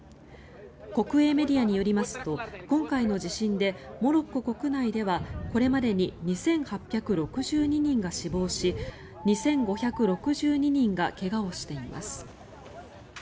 国営メディアによりますと今回の地震でモロッコ国内ではこれまでに２８６２人が死亡し２５６２人が怪我をしています。